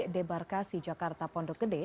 debarkasi jakarta pondok gede